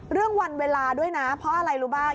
เรื่องวันเวลาด้วยนะเพราะอะไรรู้บ้าง